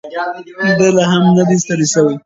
دی لا هم نه دی ستړی شوی.